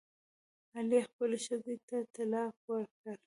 علي خپلې ښځې ته طلاق ورکړ.